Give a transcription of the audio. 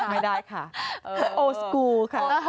ไม่ได้ค่ะโอสกูลค่ะ